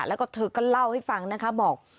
แล้วก็เธอก็เล่าให้ฟังนะคะบอก